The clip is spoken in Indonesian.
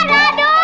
tuh kan aduh